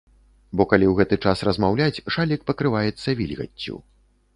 Бо калі ў гэты час размаўляць, шалік пакрываецца вільгаццю.